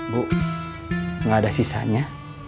bu gak ada sisanya